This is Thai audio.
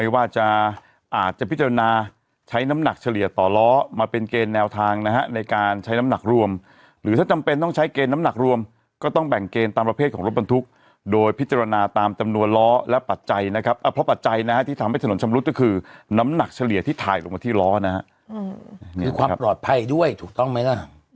ว่าจะอาจจะพิจารณาใช้น้ำหนักเฉลี่ยต่อล้อมาเป็นเกณฑ์แนวทางนะฮะในการใช้น้ำหนักรวมหรือถ้าจำเป็นต้องใช้เกณฑ์น้ำหนักรวมก็ต้องแบ่งเกณฑ์ตามประเภทของรถบรรทุกโดยพิจารณาตามจำนวนล้อและปัจจัยนะครับเพราะปัจจัยนะฮะที่ทำให้ถนนชำรุดก็คือน้ำหนักเฉลี่ยที่ถ่ายลงมาที่ล้อนะฮะคือความปลอดภัยด้วยถูกต้องไหมล่ะ